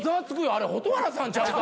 あれ蛍原さんちゃうか。